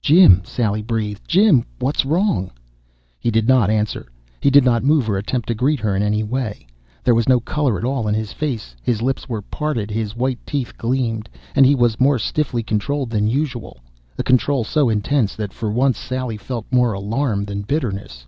"Jim!" Sally breathed. "Jim, what's wrong?" He did not answer, did not move or attempt to greet her in any way. There was no color at all in his face. His lips were parted, his white teeth gleamed. And he was more stiffly controlled than usual a control so intense that for once Sally felt more alarm than bitterness.